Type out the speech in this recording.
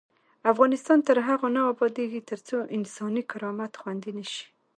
افغانستان تر هغو نه ابادیږي، ترڅو انساني کرامت خوندي نشي.